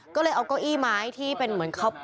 ก็เลยเอาเก้าอี้ไม้ที่เป็นเหมือนเขา